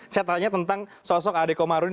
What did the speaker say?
saya tanya tentang sosok ade komarudin